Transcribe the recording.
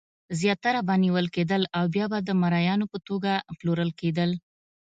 زیاتره به نیول کېدل او بیا د مریانو په توګه پلورل کېدل.